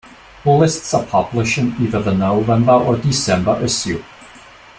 Lists are published in either the November or December issue.